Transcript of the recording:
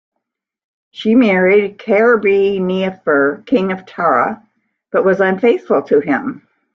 She married Cairbre Nia Fer, king of Tara, but was unfaithful to him.